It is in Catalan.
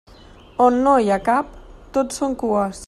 On no hi ha cap, tot són cues.